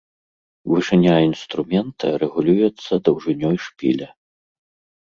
Вышыня інструмента рэгулюецца даўжынёй шпіля.